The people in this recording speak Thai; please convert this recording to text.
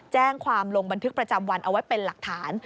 แจ้งความลงบันทึกประจำวันเอาไว้เป็นหลักฐาน